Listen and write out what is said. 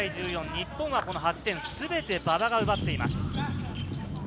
日本は８点すべて馬場が奪っています。